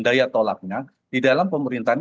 daya tolaknya di dalam pemerintahan